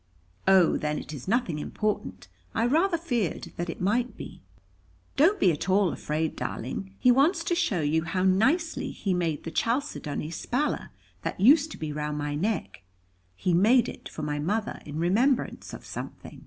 "Oh, then it is nothing important. I rather feared that it might be." "Don't be at all afraid, darling. He wants to show you how nicely he made the Chalcedony Spalla that used to be round my neck. He made it for my mother, in remembrance of something."